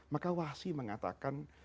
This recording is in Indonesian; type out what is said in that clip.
maka wahsyi mengatakan